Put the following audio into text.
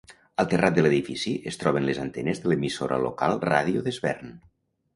Al terrat de l'edifici es troben les antenes de l'emissora local Ràdio Desvern.